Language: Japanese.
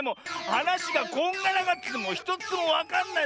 はなしがこんがらがっててひとつもわかんない。